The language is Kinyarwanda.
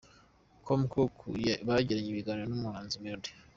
com ko koko bagiranye ibiganiro n’umuhanzi Meddy.